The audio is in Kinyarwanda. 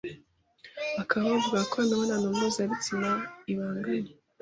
bakaba bavuga ko imibonano mpuzabitsina ibangamye